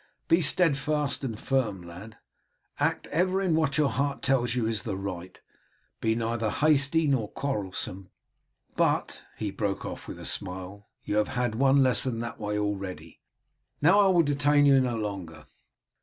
Be steadfast and firm, lad. Act ever in what your heart tells you is the right; be neither hasty nor quarrelsome. But," he broke off with a smile, "you have had one lesson that way already. Now I will detain you no longer.